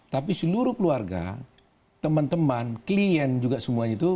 tapi seluruh keluarga teman teman klien juga semuanya itu